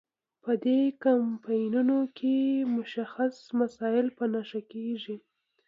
په دې کمپاینونو کې مشخص مسایل په نښه کیږي.